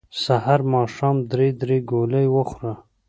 سحر ماښام درې درې ګولۍ خوره